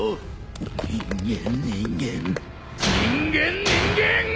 人間人間人間人間！